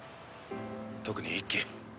特に一輝。